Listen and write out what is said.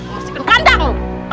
masih kedukandang lu